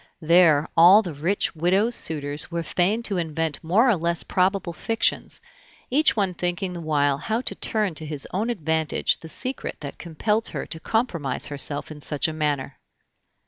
There all the rich widows' suitors were fain to invent more or less probable fictions, each one thinking the while how to turn to his own advantage the secret that compelled her to compromise herself in such a manner.